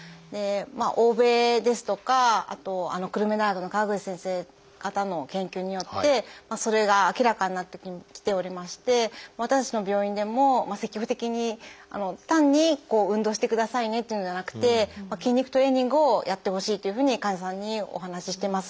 欧米ですとかあと久留米大学の川口先生方の研究によってそれが明らかになってきておりまして私たちの病院でも積極的に単に「運動してくださいね」っていうんじゃなくて「筋肉トレーニングをやってほしい」というふうに患者さんにお話ししてます。